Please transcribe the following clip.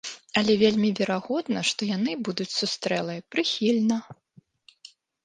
Але вельмі верагодна, што яны будуць сустрэтыя прыхільна.